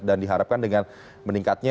dan diharapkan dengan meningkatnya